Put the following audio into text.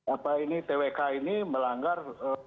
apa ini twk ini melanggar